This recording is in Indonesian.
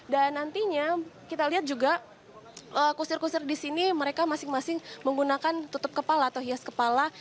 dan nantinya kita lihat juga kusir kusir disini mereka masing masing menggunakan tutup kepala atau hias kepala